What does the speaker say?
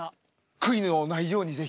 悔いのないように是非。